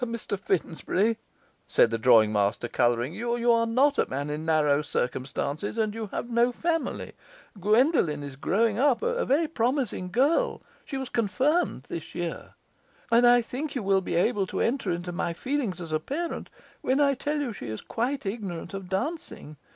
'Mr Finsbury,' said the drawing master, colouring, 'you are not a man in narrow circumstances, and you have no family. Guendolen is growing up, a very promising girl she was confirmed this year; and I think you will be able to enter into my feelings as a parent when I tell you she is quite ignorant of dancing.